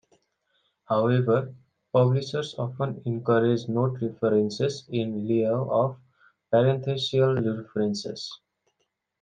However, publishers often encourage note references in lieu of parenthetical references.